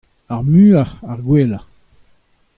Ar muiañ ar gwellañ.